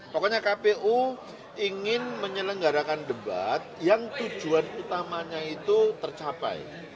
pokoknya kpu ingin menyelenggarakan debat yang tujuan utamanya itu tercapai